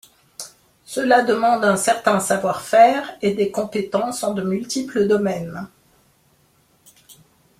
Cela demande un certain savoir-faire et des compétences en de multiples domaines.